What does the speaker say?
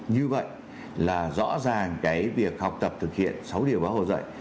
như vậy là rõ ràng cái việc học tập thực hiện sáu điều báo hồ dạy